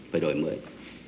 phải đổi mới